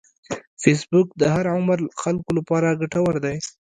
فېسبوک د هر عمر خلکو لپاره ګټور دی